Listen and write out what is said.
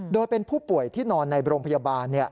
โดยเป็นผู้ป่วยที่นอนในโรงพยาบาล